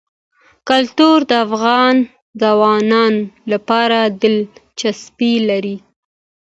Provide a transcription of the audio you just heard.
کلتور د افغان ځوانانو لپاره دلچسپي لري.